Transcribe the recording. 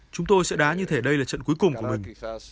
chúng tôi sẽ đá như thế đây là trận cuối cùng của mình